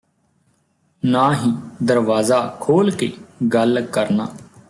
ਨਾ ਹੀ ਦਰਵਾਜ਼ਾ ਖੋਲ੍ਹ ਕੇ ਗੱਲ ਕਰਨਾ